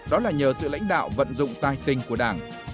đó là nhờ sự lãnh đạo vận dụng tài tình của đảng